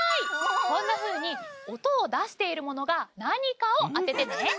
こんなふうに音を出しているものが何かを当ててね。